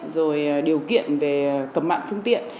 rồi điều kiện về cầm mạng phương tiện